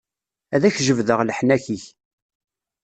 Ad ak-jebdeɣ leḥnak-ik.